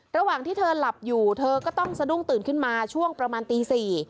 ระหว่างที่เธอหลับอยู่เธอก็ต้องสะดุ้งตื่นขึ้นมาช่วงประมาณตี๔